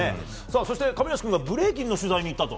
そして、亀梨君がブレイキンの取材に行ったと。